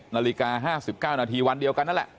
นาฬิกา๕๙นาทีวันเดียวกันนั่นแหละ